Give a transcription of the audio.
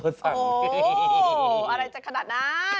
เค้าบอกว่าช่วงนี้อุณหภูมิจะลดลงใช่ไหมคุณ